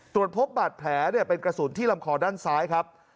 ตรวจพบบาดแผลเป็นกระสุนที่ลำคอด้านซ้ายครับ